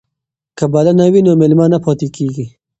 که بلنه وي نو مېلمه نه پاتې کیږي.